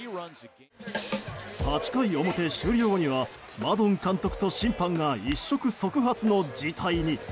８回表終了後にはマドン監督と審判が一触即発の事態に。